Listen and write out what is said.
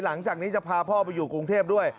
หลังจากนี้จะพาพ่อไปอยู่กรุงเทพด้วย